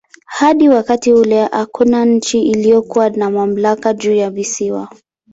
Hadi wakati ule hakuna nchi iliyokuwa na mamlaka juu ya visiwa.